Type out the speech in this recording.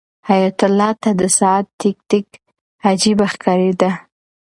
حیات الله ته د ساعت تیک تیک عجیبه ښکارېده.